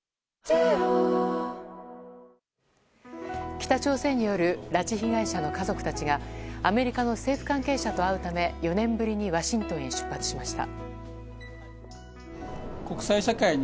北朝鮮による拉致被害者の家族たちがアメリカの政府関係者と会うため４年ぶりにワシントンへ出発しました。